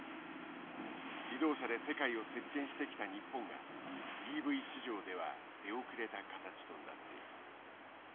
自動車で世界を席巻してきた日本がＥＶ市場では出遅れた形となっている。